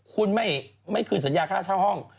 คุณไม่คืนสัญญาค่าเช่าห้อง